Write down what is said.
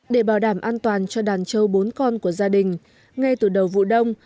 để bảo đảm an toàn cho đàn trâu bốn con của gia đình ngay từ đầu vụ đông